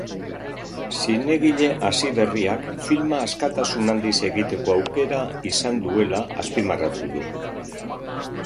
Zinegile hasiberriak filma askatasun handiz egiteko aukera izan duela azpimarratu du.